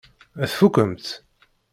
Tfukemt?